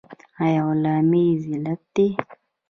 آیا غلامي ذلت دی؟